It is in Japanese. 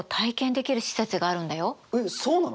えっそうなの？